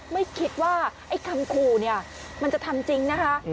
ไม่คิดว่าคำครูนี่มันจะทำจริงนะครับ